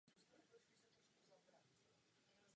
Válce mohou být uspořádány i vertikálně nebo šikmo k zemi.